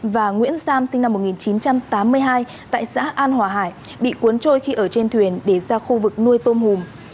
và nguyễn sam sinh năm một nghìn chín trăm tám mươi hai tại xã an hòa hải bị cuốn trôi khi ở trên thuyền để ra khu vực nuôi tôm hùm